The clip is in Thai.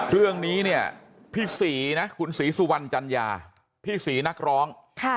เรื่องนี้เนี่ยพี่ศรีนะคุณศรีสุวรรณจัญญาพี่ศรีนักร้อง